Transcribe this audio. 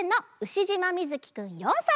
しじまみずきくん４さいから。